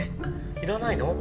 いらないの？